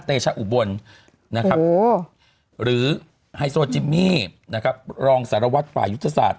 ชะอุบลนะครับหรือไฮโซจิมมี่นะครับรองสารวัตรฝ่ายยุทธศาสต